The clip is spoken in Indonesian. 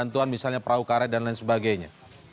bantuan misalnya perahu karet dan lain sebagainya